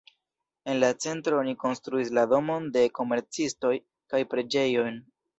En la centro oni konstruis la domon de komercistoj kaj preĝejon.